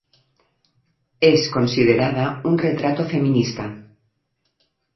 Es considerada un retrato feminista.